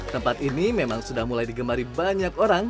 tempat ini memang sudah mulai digemari banyak orang